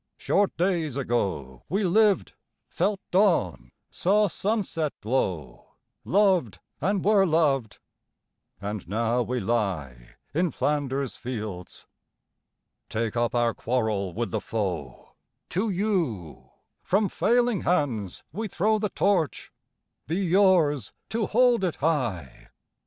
Short days ago We lived, felt dawn, saw sunset glow, Loved, and were loved, and now we lie In Flanders fields. Take up our quarrel with the foe: To you from failing hands we throw The Torch: be yours to hold it high!